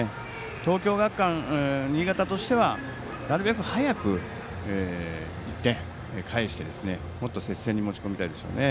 東京学館新潟としてはなるべく早く１点を返してもっと接戦に持ち込みたいですね。